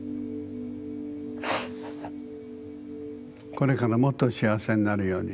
これからもっと幸せになるように。